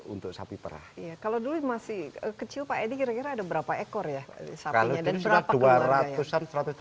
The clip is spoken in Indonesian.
untuk sapi perah kalau dulu masih kecil pak edi kira kira ada berapa ekor ya karena dari